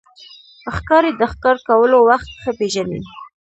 ښکاري د ښکار کولو وخت ښه پېژني.